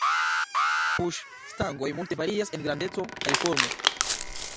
Puŝ-stangoj multe varias en grandeco kaj formo.